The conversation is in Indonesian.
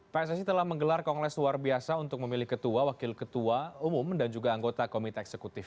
pssi telah menggelar kongres luar biasa untuk memilih ketua wakil ketua umum dan juga anggota komite eksekutif